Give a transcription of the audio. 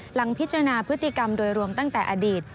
หลังพิจารณาพฤติกรรมโดยรวมตั้งแต่อดีต